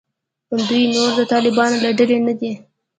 دوی نور د طالبانو له ډلې نه دي.